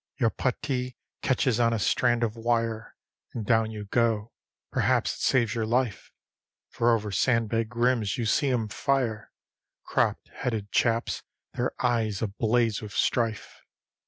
Your puttee catches on a strand of wire, And down you go; perhaps it saves your life, For over sandbag rims you see 'em fire, Crop headed chaps, their eyes ablaze with strife.